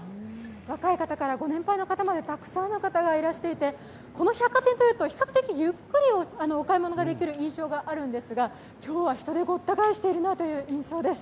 若い方からご年配の方までたくさんの方がいらしていてこの百貨店というと比較的ゆっくりお買い物ができる印象があるんですが、今日は人でごった返しているなという印象です。